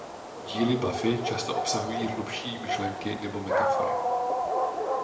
Díly "Buffy" často obsahují hlubší myšlenky nebo metafory.